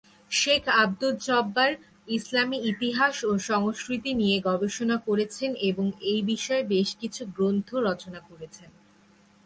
শেখ আব্দুল জব্বার ইসলামী ইতিহাস ও সংস্কৃতি নিয়ে গবেষণা করেছেন এবং এই বিষয়ে বেশ কিছু গ্রন্থ রচনা করেছেন।